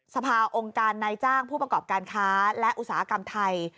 สภาองค์การนายจ้างผู้ประกอบการค้าและอุตสาหกรรมไทย